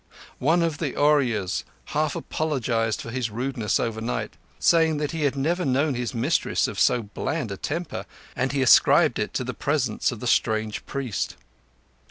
One of the Ooryas half apologized for his rudeness overnight, saying that he had never known his mistress of so bland a temper, and he ascribed it to the presence of the strange priest.